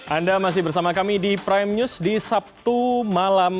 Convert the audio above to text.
anda masih bersama kami di prime news di sabtu malam